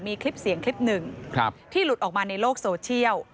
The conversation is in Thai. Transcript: มีคลิปเสียงคลิปหนึ่งที่หลุดออกมาในโลกโซเชียล